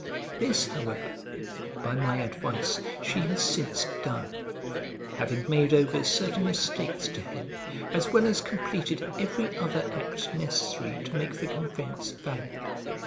This, however, by my advice she has since done, having made over certain estates to him, as well as completed every other act necessary to make the conveyance valid.